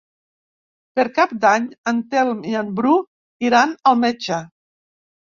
Per Cap d'Any en Telm i en Bru iran al metge.